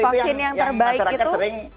vaksin yang terbaik itu